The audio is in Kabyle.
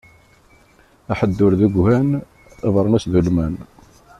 Aḥeddur d uggan, abeṛnus d ulman.